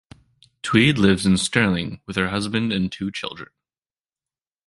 Tweed lives in Stirling with her husband and two children.